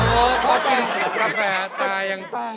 กาแฟตายังตาย